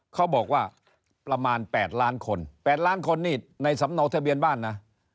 เขาบอกว่าประมาณ๘ล้านคน๘ล้านคนนี่ในสำเนาทะเบียนบ้านนะ